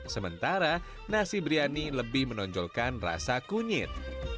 sementara nasi biryani lebih menonjolkan rasa kunyit